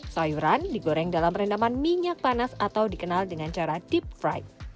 sayuran digoreng dalam rendaman minyak panas atau dikenal dengan cara deep fright